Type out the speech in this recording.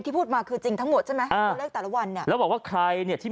ที่พูดมาคือจริงทั้งหมดใช่ไหมแต่ละวันแล้วบอกว่าใครเนี่ยที่